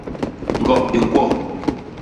Ñgop i ñkwo.